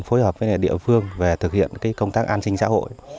phối hợp với địa phương về thực hiện công tác an sinh xã hội